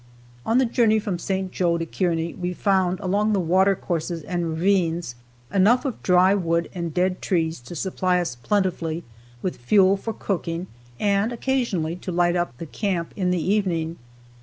On the journey from St. Joe to Kearney we found, along the water courses and ravines, enough of dry wood and dead trees to supply us plentifully with fuel for cooking and occasionally to light up the camp in the evening.